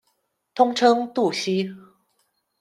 通称「渡溪」。